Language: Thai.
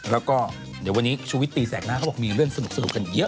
แล้วก็เดี๋ยววันนี้ชูวิตตีแสกหน้าเขาบอกมีเรื่องสนุกกันเยอะ